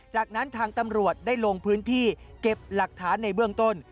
จากนั้นทางตำรวจได้ลงพื้นที่เก็บหลักฐานในเบื้องต้น